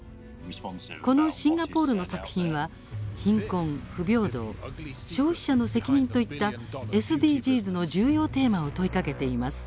このシンガポールの作品は貧困、不平等、消費者の責任といったＳＤＧｓの重要テーマを問いかけています。